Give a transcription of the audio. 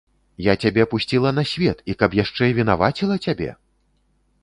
Я цябе пусціла на свет і каб яшчэ вінаваціла цябе?